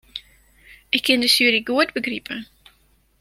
Ik kin de sjuery goed begripe.